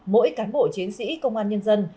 mỗi cán bộ chiến sĩ công an nhân dân